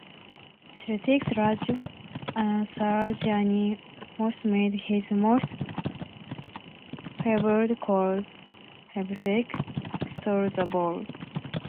Celtics' radio announcer Johnny Most made his most fabled call: Havlicek stole the ball!